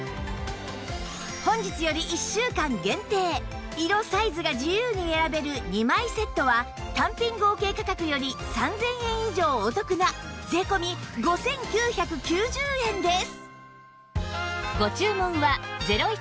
本日より１週間限定色・サイズが自由に選べる２枚セットは単品合計価格より３０００円以上お得な税込５９９０円です